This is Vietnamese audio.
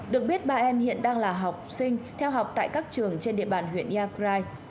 được biết ba em hiện đang là học sinh theo học tại các trường trên địa bàn huyện iagrai